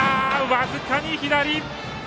僅かに左！